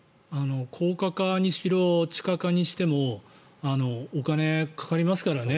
高架化にしろ地下化にしてもお金がかかりますからね。